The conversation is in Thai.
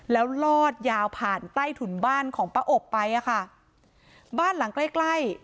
แล้วลอดยาวผ่านใต้ถุนบ้านของป้าอบไปอ่ะค่ะบ้านหลังใกล้ใกล้